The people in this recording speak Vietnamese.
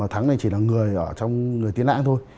thắng này chỉ là người ở trong người tiến nãng thôi